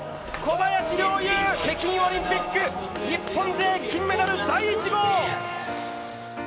小林陵侑、北京オリンピック日本勢、金メダル第１号！